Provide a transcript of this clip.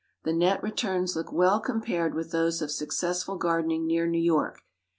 The net returns look well compared with those of successful gardening near New York.